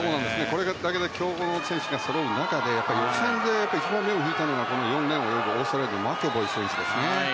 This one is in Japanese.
これだけ強豪の選手がそろう中で予選で一番、目を引いたのが４レーンを泳ぐオーストラリアのマケボイ選手。